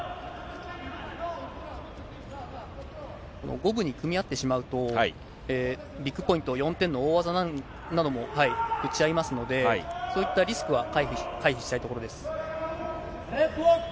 五分に組み合ってしまうと、ビッグポイント、４点の大技なども打ち合いますので、そういったリスクは回避したいところです。